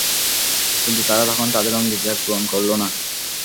কিন্তু তারা তখন তাদের অঙ্গীকার পূরণ করল না।